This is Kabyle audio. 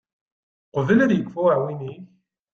Qbel ad yekfu uεwin-ik